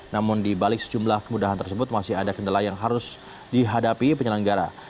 namun dibalik sejumlah kemudahan tersebut masih ada kendala yang harus dihadapi penyelenggara